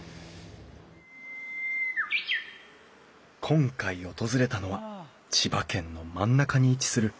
今回訪れたのは千葉県の真ん中に位置する長南町。